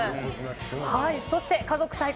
そして家族対抗！